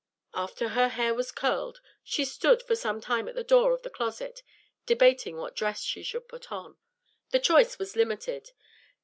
After her hair was curled, she stood for some time at the door of the closet, debating what dress she should put on. The choice was limited.